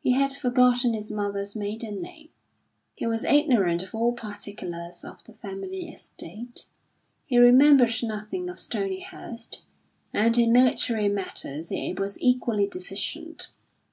He had forgotten his mother's maiden name; he was ignorant of all particulars of the family estate; he remembered nothing of Stonyhurst; and in military matters he was equally deficient.